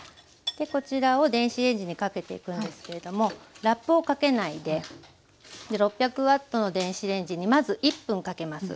でこちらを電子レンジにかけていくんですけれどもラップをかけないで６００Ｗの電子レンジにまず１分かけます。